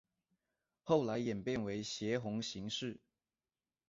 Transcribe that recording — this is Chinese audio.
后来演变为斜红型式。